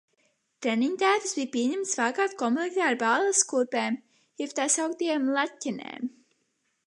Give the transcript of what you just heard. Treniņtērpus bija pieņemts valkāt komplektā ar balles kurpēm jeb tā sauktajām laķenēm.